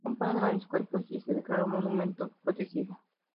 Se compone de varios cuerpos y se declaró monumento protegido.